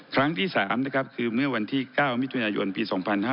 ครั้งที่๓คือเมื่อวันที่๙มิถุนายนปี๒๕๖๓